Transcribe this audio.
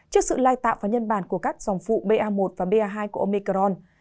trước sự lai tạo và nhân bản của các dòng phụ ba một và ba hai của omicron